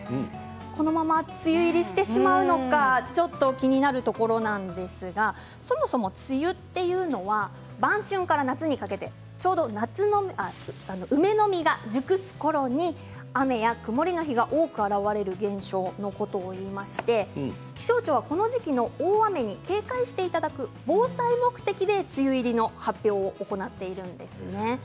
このまま梅雨入りしてしまうのかちょっと気になるところなんですがそもそも梅雨というのは晩春から夏にかけて、ちょうど梅の実が熟すころに雨や曇りの日が多く現れる現象のことをいいまして気象庁はこの時期に大雨に警戒していただく防災目的で梅雨入りの発表を行っているんです。